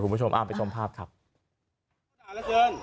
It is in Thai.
คุณผู้ชมอ้าวไปชมภาพครับอุ๊ย